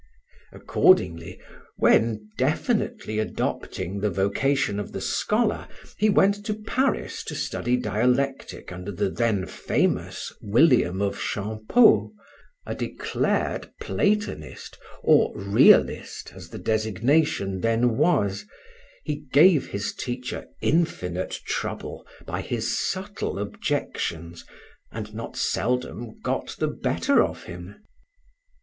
Accordingly, when, definitely adopting the vocation of the scholar, he went to Paris to study dialectic under the then famous William of Champeaux, a declared Platonist, or realist as the designation then was, he gave his teacher infinite trouble by his subtle objections, and not seldom got the better of him.